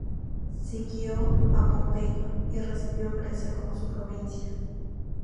Siguió a Pompeyo, y recibió Grecia como su provincia.